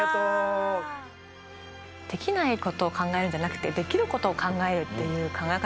できないことを考えるんじゃなくてできることを考えるっていう考え方。